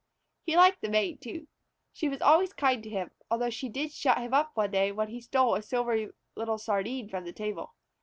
He liked the Maid, too. She was always kind to him, although she did shut him up one day when he stole a silvery little sardine from the table.